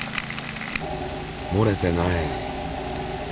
もれてない。